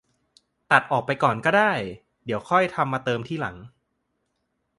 ตัดออกไปก่อนก็ได้ เดี๋ยวค่อยทำมาเติมทีหลัง